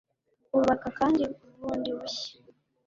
bubaka kandi bundi bushya